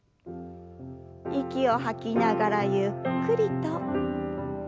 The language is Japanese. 息を吐きながらゆっくりと。